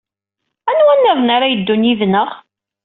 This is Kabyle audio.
Anwa niḍen ara yeddun yid-neɣ?